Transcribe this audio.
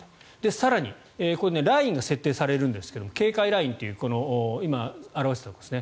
更にラインが設定されるんですが警戒ラインという今、表したところですね。